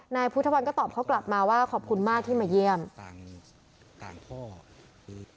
นายพุทธวันก็ตอบเขากลับมาว่าขอบคุณมากที่มาเยี่ยม